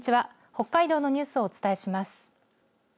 北海道のニュースをお伝えします。